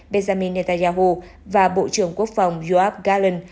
benjamin netanyahu và bộ trưởng quốc phòng joab galen